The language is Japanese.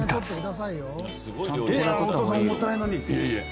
いやあお父さん重たいのに。